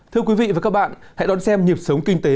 thưa quý vị và các bạn hãy đón xem nhịp sống kinh tế